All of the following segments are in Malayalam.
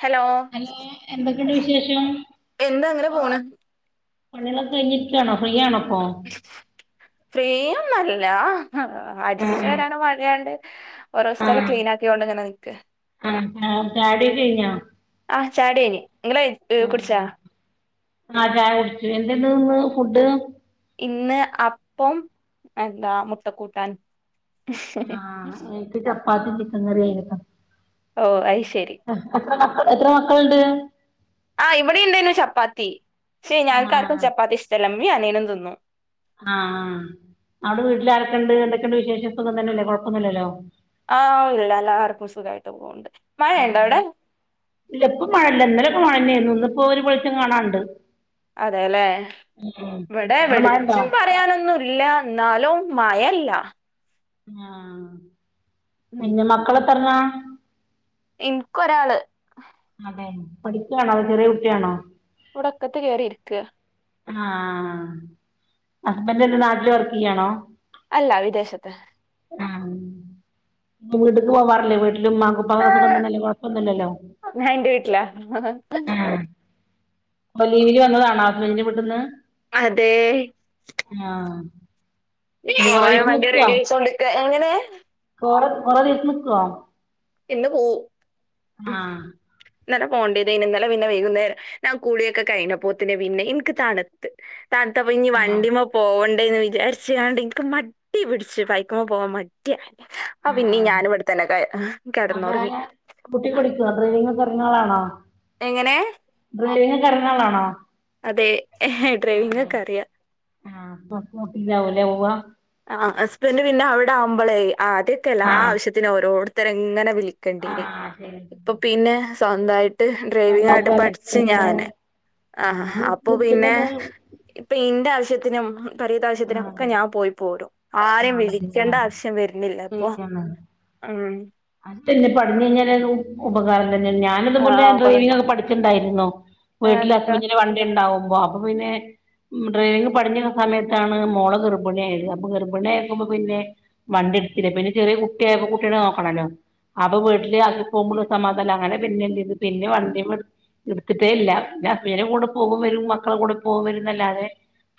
ഹലോ ഹലോ എന്തൊക്കെയുണ്ട് വിശേഷം എന്താ അങ്ങനെ പോണ് പണ്യാളൊക്കെ കഴിഞ്ഞിരിക്കാണോ ഫ്രീ ആണോ ഇപ്പൊ ഫ്രീ ഒന്നല്ല അടിച്ചാരാന് മഴയാണ്ട് ഓരോ സ്ഥലം ക്ലീൻ ആക്കിയോണ്ട് ഇങ്ങനെ നിക്ക ആഹ് ആഹ് ചായകുടി ഒക്കെ കയിഞ്ഞാ ആഹ് ചായുടി കയിഞ്ഞ് ഇങ്ങള് കഴിച്ചോ ഉ ആഹ് ചായ കുടിച്ചു എന്തേ ഇന്ന് തിന്ന് ഫുഡ് ഇന്ന് അപ്പം എന്താ മുട്ടക്കൂട്ടാനും ആഹ് എനിക്കു ചപ്പാത്തി ചിക്കൻ കറി ആയിരുന്നു ഓഹ് അയിശരി എത്ര മക്കൾ എത്ര മക്കളുണ്ട് ആഹ് ഇവിടെ ഇണ്ടേന്നു ചപ്പാത്തി പഷേ ഞങ്ങൾക്കാർക്കും ആഹ് ചപ്പാത്തി ഇഷ്ടല്ല ഇമ്മേം അനിയനും തിന്നും ആഹ് ആഹ് അവിടെ വീട്ടിൽ ആരൊക്കെണ്ട് എന്തൊക്കെയണ്ട് വിശേഷം സുഖം തന്നെയല്ലേ കൊഴപ്പൊന്നില്ലല്ലോ. ആഹ് [unintelligible] എല്ലാവർക്കും സുഖായിട്ടെ പോണ്ടേ മഴ ഇണ്ട അവിടെ. ഇല്ല ഇപ്പൊ മഴല്ല ഇന്നലൊക്കെ മഴയെന്നായിരിന്നു ഇന്നിപ്പ ഒരു വെളിച്ചം കാണാനുണ്ട്. അതെല്ലേ ഇവിടെ അവിടെ മഴ ഉണ്ടോ വെളിച്ചം പറയാനൊന്നു ഇല്ല എന്നാലും മയ ഇല്ല ആഹ് ഉം പിന്നെ മക്കളെ എത്രണ? എനിക്കൊരാൾ അതെ പഠിക്കുകയാണോ അതോ ചെറിയ കുട്ടിയാണോ. ഇവിടൊക്കത്ത് കേയറിയിരിക്ക. ആഹ് ഹസ്ബൻഡ് എന്താ നാട്ടില് വർക്ക് ചെയ്യാണോ? അല്ല വിദേശത്ത്. ആഹ് വീടിക്ക് പോവാറില്ലേ വീട്ടിലുമ്മക്കും ഉപ്പക്കും സുഖതന്നെയല്ലേ കുഴപ്പമൊന്നുമില്ലല്ലോ ഞാൻ എന്റെ വീട്ടിലാ ആഹ് അപ്പൊ ലീവില് വന്നതാണ ഹസ്ബൻഡ് വീട്ടീന്ന് അതെ ആഹ് ഈ പിന്നെ കൊറേ പോയൻ ദിവസം വണ്ടി റെഡി ആഴച്ചോണ്ട്ക്ക എങ്ങനെ കൊറ കുറെ ദിവസ നിക്കോ ഇന്ന് പോവും ഉം ആഹ് ഇന്നലെ പോകണ്ടത്തയിന്നു നല്ല പിന്നെ വൈകുന്നേരം കൂളിയൊക്കെ കഴിഞ്ഞപ്പോത്തിന്നെ പിന്നെ എനിക്ക് തണു ത്തെ തണുത്തപ്പോ ഇനി ആഹ് വണ്ടിമേ പോകണ്ടേ എന്ന് വിചാരിച്ചണ്ടെനിക്ക് മട്ടി പിടിച്ചു പൈക്കുമ്പോ പോവാൻ മടിയ. ആ പിന്നീ ആഹ് ഞാനു ഇവിട്ത്തന്നെ ക അപ്പൊ കെടന്നൊറങ്ങി [unintelligible] കുട്ടി കുടിക്കോ ഡ്രൈവിങ്ങ് ഓക്കേ അറിയണ ആളാണോ എങ്ങനെ ഡ്രൈവിംഗ് ഒക്കെ അറിയുന്ന ആളാണോ അതെ ഡ്രൈവിങ്ങക്കെ അറിയാ. ആഹ് അപ്പൊ സ്കൂട്ടിലാവും ലെ പോവ. ആഹ് ഹസ്ബന്റ് പിന്നെ അവടെ ആവുമ്പോളെ ആദ്യക്കേ എല്ലാ ആഹ് ആവശ്യത്തിനു ഓരോരുത്തരെങ്ങനെ വിളി കണ്ടിനി ആഹ് ശരി ഇപ്പൊ പിന്നെ സ്വന്തായി ട്ട് ഡ്രൈവിങ്ങക്കട്ട് പട്ച്ച് സ്വന്തായിട്ട് ഞാന് ആഹ് അപ്പൊ പിന്നെ നിച്ചിട്ടന്നെ ഇപ്പ ഇന്റെ ആവശ്യത്തിനും പെരിത്തെ ആവശ്യത്തിനൊക്കെ ആഹ് ഞാൻ പോയി പോരും. ആരെ ആഹ് ശരിയാ വിളിക്കേണ്ട ആവശ്യം വരുന്നില്ല ഇപ്പൊ ഉം. അണ്ടിയെന്നെ പട്ഞ്ഞയ്ഞ്ഞാൽ ഉപകാരം തന്നെ ഞാനും ഇതേപോലെ ആഹ് ഉപക ഡ്രൈവിങ്ങാക്കെ പഠി ക്ക്ണ്ടായിരുന്നു വീട്ടിൽ എന്നിട്ടോ ഹസ്ബന്റ്ന് വണ്ടി ഇണ്ടാവുമ്പോ അപ്പ പിന്നെ ഡ്രൈവിങ് പടിഞ്ഞുന്ന സമയ ട്ടാണ് മോളെ ഗർഭിണിയായത് അപ്പൊ ഗർഭിണി ആയപ്പൊ പിന്നെ വണ്ടി ഇട്ത്തില. പിന്നെ ചെറിയ കുട്ടിയായപ്പൊ കുട്ടിനെ നോക്കണല്ലോ. അപ്പൊ വീട്ടില് ആക്കിപോവുമ്പോളും സമാധാന അങ്ങനെ പിന്നെന്തെയ്തു പിന്നെ വണ്ടിമെ എട്ത്തിട്ടേ ഇല്ല. പിന്നെ ഹസ്ബന്റ്ന്റെ കൂടെ പോവും വരും മക്കളെ കൂടെ പോവും വരുന്നല്ലാതെ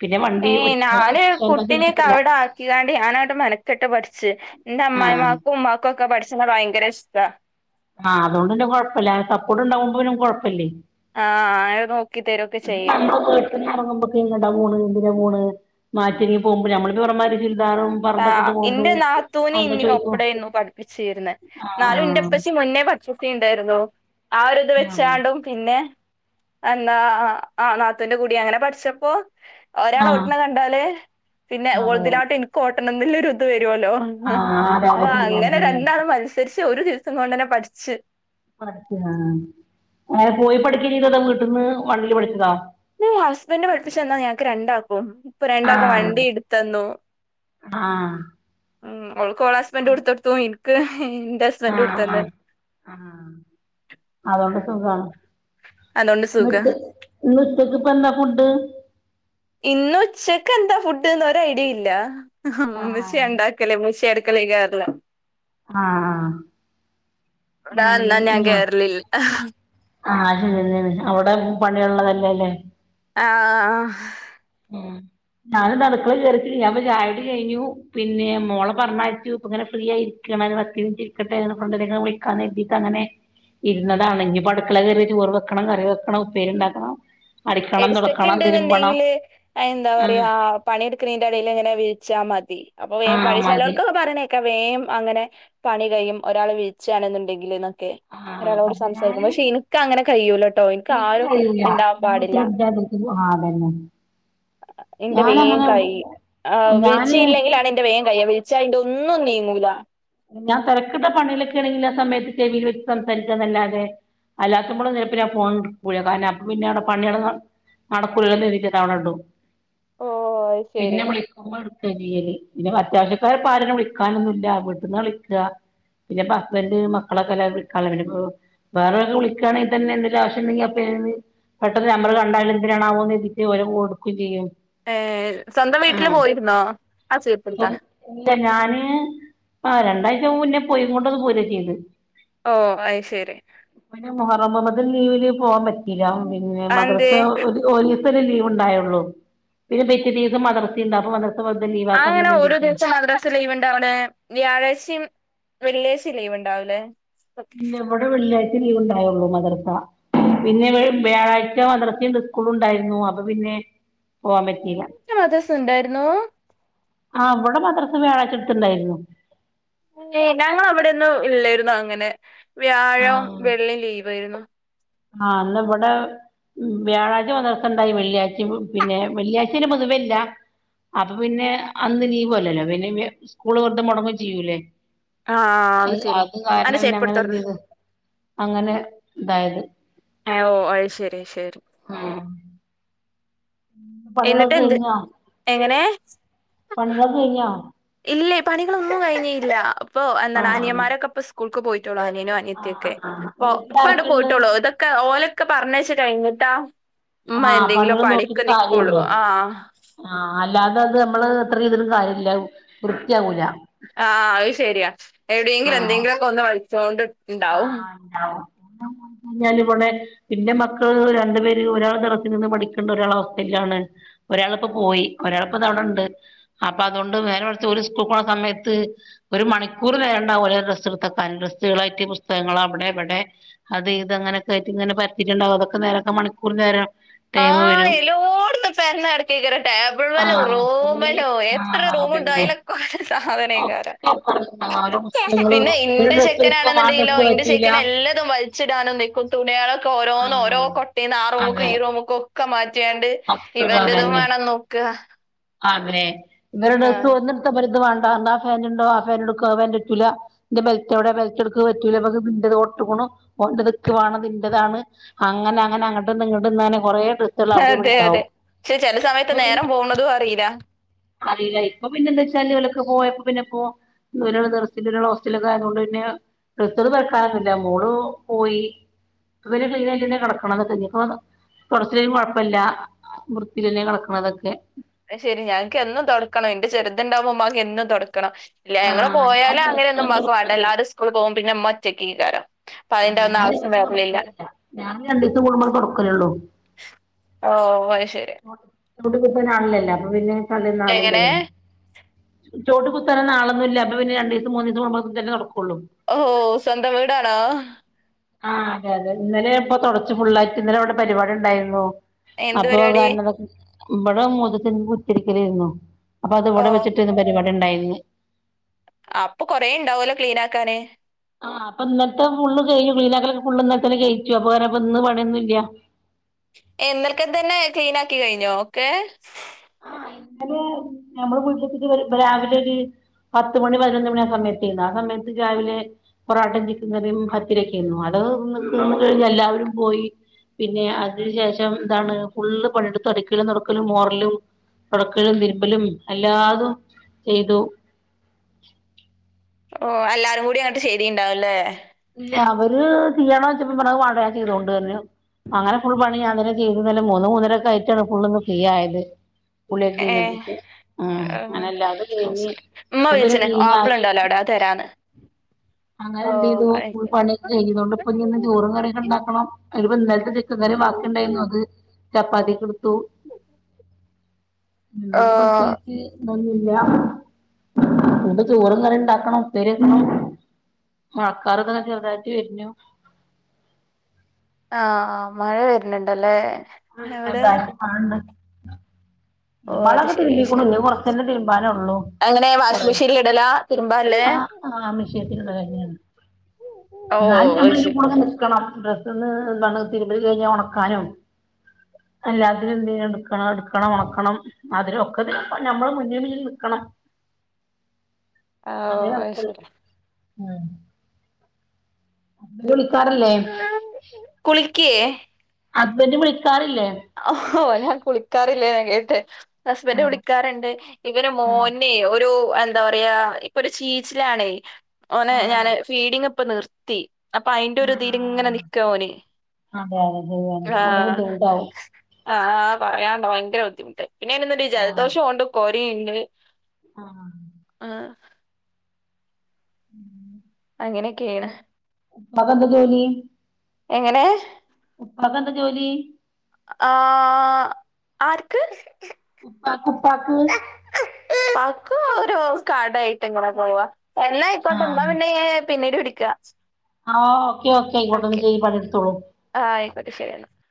പിന്നെ വണ്ടി ഒ ഏയ് ഞാന് കുട്ടിനെക്കെ അവിടാ ക്കികാണ്ട് ഞാനാണ് മെനക്കെട്ട് പഠിച്ച്. എന്റെ ആഹ് അമ്മായിമാക്കും ഉമ്മാക്കു ഒക്കെ പഠിച്ച്ണെ ഭയങ്കര ഇഷ്ട്ട. ആഹ് അതോണ്ട് പിന്നെ കൊഴപ്പല്ല. സപ്പോട്ട്ണ്ടാവുമ്പോ പിന്നെ കൊഴപ്പില്ലേ. ആഹ് ഐ നോക്കി താരൊക്കെ ചെയ്യും. ഒന്നടങ്ങുമ്പൊക്കെ എങ്ങട്ടാ പോണ് എന്തിനാ പോണ് മാറ്റിയൊര്ങ്ങി പോകുമ്പോ [unintelligible] ചുര്ദാറും. ആഹ് ഇന്റെ നാത്തൂനി ഇന്നി ഒപ്പടെന്നു പഠിപ്പിച്ചിര്ന്ന് എന്നാലും ആഹ് ഇന്റെപ്പച്ചി മുന്നേ പ സ്കൂട്ടി ഇണ്ടായിരുന്നു ആ ഒരിത് ആഹ് വെച്ചാണ്ടും പിന്നെ എന്നാ ആ നാത്തുന്റെ കൂടി അങ്ങനെ പഠിച്ചപ്പോ. ഒരാൾത ആഹ് ഓട്ട്ണത് കണ്ടാല് പിന്നെ അതെ ഓൾതിനാട്ടി ഇൻക്ക് ഓട്ടണന്നുള്ള ഒരു ഇത് വരോല്ലോ. ആഹ് അതെ അതെ അപ്പൊ ശരിയാണ് അങ്ങനെ ശരിയാണ് രണ്ടാളും മത്സരിച്ച് ഒരു ദിവസം കോണ്ടന്നെ പഠിച്ച്. പഠിച്ച് ആ എങ്ങനെ പോയി പഠിക്കെ ചെയ്തത് വീട്ടിന്ന് വണ്ടിലെ പഠിച്ചതാ? ഊ ഹസ്ബന്റ് പഠിപ്പിച്ചുന്നാ ഞങ്ങക്ക് രണ്ടാക്കും ഇപ്പൊ രണ്ടാക്കും ആഹ് വണ്ടി ഇട്ത്തന്നു. ആഹ് ഉം ഓൾക്ക് ഓളെ ഹസ്ബന്റു ഇട്ത്തൊടുത്തു ഇൻക്ക് ഇന്റെ ഹസ്ബന്റു ആഹ് ഇട്ത്തന്നു. ആഹ് ആഹ് അതോണ്ട് സുഖാണ് അതോണ്ട് സുഖാ ഇന്നുച് ഇന്നുച്ചക്ക് ഇപ്പ എന്താ ഫുഡ്? ഇന്നുച്ചക്ക് എന്താ ഫുഡ്ന്ന് ഒരു ഐഡിയ ഇല്ല ഇമ്മച്ചി ആഹ് ഇണ്ടാക് ക്കൽ ഉമ്മുച്ചിയട്ക്കളെ കേറലാ ആഹ് ആഹ് ഇവിടെ വന്നാ ഉം ഞാൻ കേറലില്ല ആ അത് ശെരിയാണ് അവിടെ പണിയ്ള്ളതല്ലേ ല്ലേ. ആഹ് ഉം ഞാന്ന്ന് അടുക്കളേൽ കേറിട്ടില്ല ഞാൻപ്പം ചായുടി കയ്ഞ്ഞു പിന്നെ മോളെ പർഞ്ഞയച്ചു ഇപ്പങ്ങനെ ഫ്രീയായി ക്കാണ് ഒര് പത്ത് മിൻറ്റ് ഇര്ക്കട്ടെ [unintelligible] വിളിക്കാ കര്തീട്ടങ്ങനെ. ഇരുന്നതാണ് ഇഞ്ഞിപ്പ അട്ക്കളെ കേറി ചോറ് വെക്കണം കറി വെക്കണം ഉപ്പേരി ഇണ്ടാക്കണം. അടിക്കണം ഹെഡ്സെറ്റ് തൊടക്കണം തിരുമ്പണം. ഇണ്ട്ന്നുണ്ടെങ്കില് എന്താ ആഹ് പറയാ പണിയെടുക്ക്ണിന്റെ എടേൽ ഇങ്ങനെ വിളിച്ചാ മതി അപ്പൊ വേം ആഹ് പണി മതി ചെലോൽക്കൊക്കെ പറിണേക്ക ക്കെ വേം പണി കയ്യും അങ്ങനെ പണി കഴിയും ഒരാള് വിളിച്ചാണ്ന്ന്ണ്ടെങ്കി എന്നൊക്കെ. ആഹ് ഒരാളോട് പക്ഷെ സംസാരിക്കും ഞാന് പക്ഷെ ഇൻക്ക് അങ്ങനെ കയ്യൂലട്ടോ ഇൻക്കാരുംഇഉണ്ടാവാൻ പാടില്ല. ഊ അതന്നെ. ഇന്റെ വേം ഞാനങ്ങനെ കയ്യും ആഹ് ഞാന് വിളിച്ചില്ലെങ്കിലാണ് എന്റെ വേൻ കയ്യ വിളിച്ചാ ഇന്റെ ഒന്നും നീങ്ങൂല. ഞാൻ തെരക്കിട്ട പണിലൊക്കെ ആണെങ്കിൽ ആ സമയത്ത് ചെവിൽ വെച്ച് സംസാരിക്കന്നല്ലാതെ. അല്ലാത്തുപ്പളും [unintelligible] ഫോൺ എടുക്കൂല കാരണം അപ്പ പിന്നവിടെ പണികള [unintelligible] ഓഹ് അത് പിന്ന ശരി വിളി എടുക്കാ ചെയ്യല് പിന്നെ അത്യാവശ്യക്കാര് ഇപ്പ ആരും വിളിക്കാനൊന്നുംല്ല വീട്ട്ന്ന വിളിക്ക പിന്നെ ഹസ്ബൻ്റ് മക്കളൊക്കെല്ലെ വിളി വേറെ ആരേലും വിളിക്കാണെങ്കിൽ തന്നെ എന്തേലും ആവശ്യണ്ടെങ്കിൽ അപ്പൊ എ പെട്ടന്ന് നമ്പർ കണ്ടാലും എന്തിനാണാവോ എന്ന് വെച്ചിട്ട് ഓല് എടുക്കുകയും ചെയ്യും ഏഹ് സ്വന്തം വീട്ടില് പോയിരുന്നോ ആ ഇപ്പം [unintelligible] ഇല്ല ഞാന് ആ രണ്ടാഴ്ച്ച മുന്നെ പോയിങ്ങോണ്ടൊന്ന് [unintelligible] ചെയ്ത് ഓഹ് അയ് ശരി പിന്നെ മുഹറമ്മ മദൽ ലീവിന് പോവാൻ പറ്റിയില്ല പിന്നെ മദ്രസ അതെന്തേ ഒരു ഒരുസം ലീവ് ഇണ്ടായുള്ളു പിന്നെ പിറ്റേസം മദ്രസ ഇണ്ട അപ്പ മ വെറുതെ ലീവ് അങ്ങനെ ആക്കണ്ടല്ലോന്ന് ഓരോ വിചാരിച്ചേ ദിവസം മദ്രാസ ലീവ് ഇണ്ടാവലെ വ്യാഴാഴ്ച്ചയും വെള്ളിയാഴ്ചയും ലീവ് ഇണ്ടാവലേ ഇല്ല ഇവിടെ വെള്ളിയാഴ്ച്ച ലീവ് ഇണ്ടായുള്ളൂ മദ്രസ. പിന്നെ വ്യാഴാഴ്ച്ച മദ്രസിണ്ട് സ്കൂളുണ്ടായിരുന്നു അപ്പൊ പിന്നെ പോവാൻ പറ്റിയില്ല നിങ്ങക്ക് മദ്രസ ഉണ്ടായിരുന്നു ആഹ് ഇവിടെ മദ്രസ വ്യാഴാഴ്ച്ച ഇണ്ടായിരുന്നു ഞങ്ങളവിടൊന്നും ഇല്ലായിരുന്നു അങ്ങനെ വ്യാഴം ആഹ് വെള്ളി ലീവായിരുന്നു ആഹ് എന്നാ ഇവിടെ ഉം വ്യാഴാഴ്ച്ച മദ്രസ ഉണ്ടായി വെള്ളിയാഴ്ച പിന്നെ വെള്ളിയാഴ്ച്ച പൊതുവേ ഇല്ല അപ്പൊ പിന്നെ അന്ന് ലീവല്ലല്ലോ പിന്നെ സ്കൂള് വെറുതെ മുടങ്ങും ചെയ്യൂല്ലേ ആ അയ് ശരി അത് അന്റെ കാരണം പിന്നെ അങ്ങനെ എന്ത് ചെരുപ്പെടുത്തോർന്നേ ചെയ്തു അങ്ങനെ ഇതായത് ഓഹ് അത് ശരി ശരി ആഹ് എന്നിട്ട് പണികളൊക്കെ എന്ത് കഴിഞ്ഞ എങ്ങനെ പണികളൊക്കെ കഴിഞ്ഞോ ഇല്ലേ പണികളൊന്നും കഴിഞ്ഞി ഇല്ല ഇപ്പൊ എന്താണ് ആഹ് അനിയന്മാരൊക്കെ അപ്പ സ്കൂൾക്ക് പോയിട്ടോള്ളു അനിയനും അനി ആഹ് ത്തിയോക്കെ ആഹ് അ ഇപ്പ അവിടെ വീട്ടിലാരൊക്കെയുള്ളെ പോയിട്ടുള്ളൂ ഇതൊക്കെ ഓലൊക്കെ പറഞ്ഞയച്ചു കയിഞ്ഞിട്ടാ ഉമ്മ ആഹ് എന്തെങ്കിലോ പണികൾ പണക്ക് നിക്കോളൂ ആഹ ആഹ അല്ലാതെ അത് നമ്മള് എത്ര ഇതിലും കാര്യമില്ല വൃത്തിയാവൂല ആ അത് ശരിയാ എവിടെയെങ്കിലും ആഹ് എന്തെങ്കിലുമൊക്കെ ഒന്ന് വളിച്ചോണ്ട് ഉണ്ടാവും [inaudible] പറഞ്ഞ ഇവിടെ പിന്നെ മക്കള് രണ്ടു പേര് ഒരാൾ തരത്തിൽ നിന്ന് പഠിക്കേണ്ട ഒരാള ഹോസ്റ്റലിൽ ആണ് ഒരാളിപ്പോ പോയി ഒരാളിപ്പ താ ഇവിടെ ഉണ്ട് അപ്പൊ അതുകൊണ്ട് വേറെ വച്ച ഒരു സ്കൂൾപൊണ സമയത്ത് ഒരു മണിക്കൂർ നേരം ഉണ്ടാവൂല ഓരോ ഡ്രസ് എടുത്ത്വെക്കാൻ ഡ്രസ്സുകളായിട്ട് പുസ്തകങ്ങളൾ അവിടെ ഇവിടെ അത് ഇത് അങ്ങനൊക്കെ ആയിട്ട് ഇങ്ങനെ പരത്തിയിട്ടുണ്ടാവകും അതക്കെ നേരൊക്കെ മണിക്കൂർ നേരം ടൈം ആഹ വരും എലോടന്ന് പെരന്നടക്കിക്കര ടേബിൾ വലോ ആഹ് റൂം ഫുള്ള് വല്ലോ എത്ര ആഹ് റൂമ ഉണ്ടോ അതന്നെ അതില കു സാധനക്കാര ഒക്കെ അപ്പറണ്ടാവും ഓലെ പുസ്തകങ്ങളും പിന്നെ ഒരു ഇന്റെ ഡ്രസ്സ് എടുക്കും ആ ചെക്കനാണെന്നുണ്ടെങ്ക ഡ്രസ്സ് ഇന്റെ പറ്റൂല ചേക്കനെ എല്ലാതും വലിച്ചിടാനും നിൽക്കും തുണികളൊക്കെ ഓരോന്ന് ഓരോ ആഹ് കൊട്ടയിന്ന് ആറൂമും അതെ റൂമും ഒക്കെ മാറ്റിയണ്ട് അപ്പഴും ഇവന്റതും അതന്നെ വേണംന്ന് നോക്കുക അതെ ഇവരു ഡ്രസ്സ്‌ ആഹ് വക്ക ബരുധ വണ്ട എന്താ ഫാനുണ്ടോ ആ ഫാനോട് കേവന്റെ ചുല എന്റെ ബലറ്റോവിടെ ബലറ്റ എടുക്ക പറ്റൂലിന്റെത് ഓട്ടക്കണു ഓതക്ക്വാാണ് ഇതിന്റെറെതാണ് അങ്ങനെ അങ്ങനെ അങ്ങട്ടന്ന് ഇങ്ങട്ടന്ന് കൊറെേ ഡ്രസ്സുകൾ അവിടെ അതെ അതെ ഉണ്ടാവും പക്ഷെ ചില സമയത്ത് ഇപ്പൊ പിന്നെ നേരം പോകണതും അറിയില്ല അറിയില്ല ഇപ്പൊ പിന്നെ എന്താ വെച്ചാൽ ഇളൊക്ക പോയപ്പ പിന്നെ പോ ർരാ ഹോസ്റ്റല ഒക്കെ ആയുകൊണ്ട്ന്നെ ഇത്ത പറക്കുന്നില്ല മോള് പോയി ഇപ്പര് ക്ലീൻ ആയിട്ട് തന്നെ കിടക്കണത് ഇനിയിപ്പോ തുടച്ചില്ലേലും കുഴപ്പല്ല വൃത്തില് തന്നെ കിടക്കണതൊക്കെ ശരി ഞങ്ങക്ക് എന്നും തൊടക്കണം എന്റെ ചെറുതുണ്ടാവുമ്പോ മാക്ക് എന്നും തൊടക്കണം ഇല്ല ഞങ്ങള് ആഹ് ഞാൻ പോയാലും ദിവസം അങ്ങനെയോന്നും ഞാൻ ഉമ്മാക്ക് വേണ്ട തുടക്കാറില്ല എല്ലാരും സ്കൂളിൽ പോകും പിന്നെ ഉമ്മറ്റക്ക്ങ്ങ്കേറാ ആഹ് ഞാന് ദിവസവും തുടക്കലില്ല ഞാൻ രണ്ട് ദിവസം കൂടുമ്പോൾ തുടക്കല് ഉള്ളൂ ഓ അത് ശരിയാ ചവിട്ടി കുത്താന്നാളിലാല്ലേ അപ്പൊ പിന്നെ എങ്ങനെ താല്നാലെന്തേലും ചോട് കുത്താന് നാളൊന്നും ഇല്ല അപ്പ പിന്നെ രണ്ട് ദിവസം മൂന്ന് ദിവസെക്കെകൂടുമ്പോളൊ ഒന്നിച്ചാല്ലെ തുടക്കുള്ളൂ ഓഹോ സ്വന്തം വീടാണോ ആ് അതെ അതെ ഇന്നലെ ഇപ്പൊ തുടച്ചു ഫുള്ളായിട്ട് ഇന്നലെ ഇവിടെ പരിപാടി ഉണ്ടായിരുന്നു എന്ത് അപ്പൊ പരിപാടി കാരണംണ്ടാക്ക് ഇവിടെ മൂതുക്കൻ കുത്തിരിക്കലായിരുന്നു അപ്പൊ ഓ അതിവിടെ വെച്ചിട്ടാന്ന് പരിപാടി ഉണ്ടായിരുന്നെ അപ്പൊ കൊറേ ഉണ്ടാവല്ലോ ക്ലീൻ ആക്കാന് ആ അപ്പൊ ഇന്നലത്തെ ഫുള് കഴിഞ്ഞു ക്ലീനാക്കലൊക്കെ ഫുള് ഇന്നലെത്തന്നെ കഴിച്ചു അപ്പൊ ഇന്ന് പണിയൊന്നുമില്ല ഇന്നല്ക്കെ തന്നെ ക്ലീൻ ആക്കി കഴിഞ്ഞോ ഓക്കെ [inaudible] ഞമ്മള് വീട്ടിലെത്തിട്ട് രാവിലെ ഒരു പത്തു മണി പതിനൊന്ന് മണി ആ സമയത്തെ ആ സമയത്ത് രാവിലെ പൊറോട്ടം ചിക്കന് കറിയും ഭത്തിരിക്കെയായിരുന്നു അത് ഒന്ന് തീർന്നു കഴിഞ്ഞു എല്ലാവരും പോയി പിന്നെ അതിന് ശേഷം എന്താണ് ഫുള്ള് പണിയെടുത്ത് രാക്കലും തുടക്കലും മോറലും കൊടക്കലും തിരുമ്പലും എല്ലാതും ചെയ്തു ഓ എല്ലാരും കൂടി അങ്ങട്ട് ചെയ്തിണ്ടാവും ഇല്ലേ ല്ലാ അവര് ചെയ്ണ ചോച്ചപ്പ പറഞ്ഞു വാളയാ ചെയ്തോണ്ട് വരൂന്നെ അങ്ങനെ ഫുൾ പണി ഞാൻ തന്നെ ചെയ്തു ഇന്നലെ മൂന്ന് മൂന്നരൊക്കെ ആയിട്ടാണ് ഫുൾ ഒന്ന് ഫ്രീ ആയത് പുളിയക്കെ ഏ ഇങ്ങനെക്ക് ഉം അങ്ങനെല്ലാ അത് ഓ, കഴിഞ്ഞു ശരി. ഉമ്മ അപ്പോ പിന്നെ വിളിച്ചിന് ആപ്പിൾ ക്ലീനാക്കി ഉണ്ടല്ലോ അവിടെ അത് തരാന്ന് അങ്ങനെ ഓ എന്ത് ചെയ്തു അത് ഫുൾ പണി ശരി. കഴിഞ്ഞതുകൊണ്ട്പ്പൊ ഇനി ഒന്നും ചോറും കറിയൊക്കെണ്ടാക്കണം അത്പ്പ ഇന്നലത്തെ ചിക്കൻ കറി മാത്രംണ്ടായിരുന്നു ഞങ്ങക്ക് അത് ചപ്പാത്തിക്കെടുത്തു ഓ ന്തപ്പ പ്രതേ നൊഒന്നില്ല ഇനിപ്പ ചോറ് കറി ഉണ്ടാക്കണം ഉപ്പേരിയൊക്കെ മഴക്കാർറിതാ ചെറുതായിട്ട് വരുഞ്ഞു ആഹ് ആഹ് മഴ വരുന്നുണ്ടല്ലേ ഉം എവിടെ ന്താണ്‌ മഴയുണ്ട് ഓ അത് മളൊക്കെ ശരി അത് തിരുമ്പിക്കുണൂ ശരി ഇനി കൊറച്ച് അല്ലേ തിരുമ്പാന് ഉള്ളൂ അങ്ങനെ വാഷിംഗ് കൊറെ മെഷീനിൽ ഇടലാ തിരുമ്പാല്ലേ ആഹ് ആഹ് മിഷേത്തിനുള്ള കാര്യാണ് ഓ എന്നാലും അത് ഞമ്മള് ഒരു ശരി കൂടുംങ്ങമോ ക്കണം ഡ്രസന്ന് എന്താണ് തിരുമ്പ് കഴഞ്ഞ് ഉണക്കാനും എല്ലാത്തിനും എന്ത്ചെയ്യണം നിക്കണം എടുക്കണം ഉണക്ക ക്കണം അധിന് ഒക്കെ തന്നെ നമ്മള് മുന്നിൽ ഇങ്ങനെ നിൽക്കണം ഓ അതേ അത് എളുപ്പം ഉള്ളു ശരി ഉം വിളിക്കാറല്ലേ കുളിക്കെ ഹസ്ബന്റ് വിളിക്കാറില്ലേ ഓ ഞാൻ കുളിക്കാറില്ലേന്നാ കേട്ടെ ഹസ്ബന്റ് ആഹ് വിളിക്കാറുണ്ട് ഇവന് ആഹ് മോനെ ഒ ഒരു എന്താ പറയാ ഇപ്പൊ ഒരു ചീച്ചിലാണേ ഓനെ ആഹ് ഞാന് ഫീഡിംങ്ങ് ഇപ്പൊ നിർത്തി അപ്പൊ അയിന്റെ ഒരു ഇതിരിങ്ങനെ ആഹ് നിക്കാ ഓന് അതെ അതെ ശരിയാണ് നല്ല ആഹ് ബുദ്ധിമുട്ടാവും ആഹ് പറയാൻ ഉണ്ട് ഭയങ്കര ബുദ്ധിമുട്ട് പിന്നെന്തുണ്ട് ആഹ് ജലദോഷം ഉണ്ട് കൊരെയുണ്ട് ആഹ് എഹ് അങ്ങനെയൊക്കെയാണ് ഉപ്പാക്ക് എന്താ ജോലി എങ്ങനെ ഉപ്പക്കെ എന്താ ജോലി ആഹ് ആർക്ക് ഉപ്പാക്ക് ഉപ്പാക്ക് ഉപ്പാക്ക് ഒരു കടായിട്ട് ഇങ്ങനെ പോവാ എന്ന ക്കട്ടെന്താ ആഹ് പിന്നെ പിന്നീട് വിളിക്കാ ആഹ് ഓക്കെ ഓക്കെ ഇങ്ങട്ട് ഒന്ന് ചെയ് പണിയെടുത്തോളു ആഹ് ആയിക്കൊട്ടെ ശരി എന്നാ